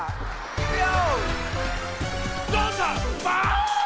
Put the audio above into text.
いくよ！